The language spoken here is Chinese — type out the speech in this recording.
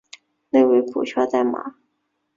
内为股票代码